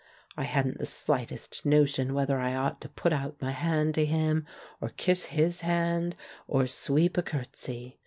I hadn't the slightest notion whether I ought to put out my hand to him, or kiss his hand, or sweep a curtsey.